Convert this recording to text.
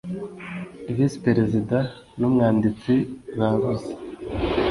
visi perezida n’umwanditsi babuze